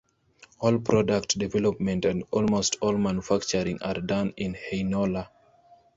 All product development and almost all manufacturing are done in Heinola.